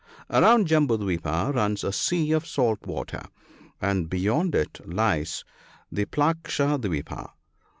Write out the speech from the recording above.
Around Jambu dwipa runs a sea of salt water, and beyond it lies Plaksha dw>pa.